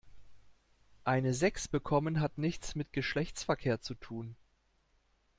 Eine Sechs bekommen hat nichts mit Geschlechtsverkehr zu tun.